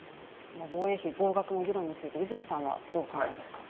防衛費増額の議論について泉さんはどうお考えですか。